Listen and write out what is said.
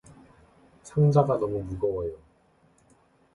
상자가 너무 무거워요.